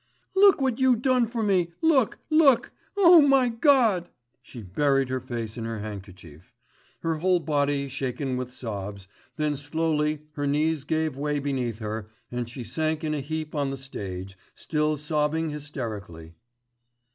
"Look what you done for me, look, look. Oh! my God!" She buried her face in her handkerchief. Her whole body shaken with sobs, then slowly her knees gave way beneath her and she sank in a heap on the stage, still sobbing hysterically.